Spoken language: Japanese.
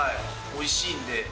おいしいんで。